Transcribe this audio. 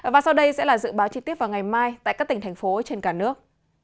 và sau đây sẽ là dự báo chi tiết vào ngày mai tại các tỉnh thành phố trên cả nước